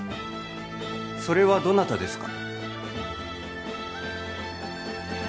それはどなたですか？